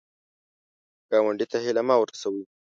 ګاونډي ته هیله مه ورسوې